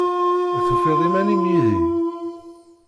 Tufiḍ iman-im yid-i?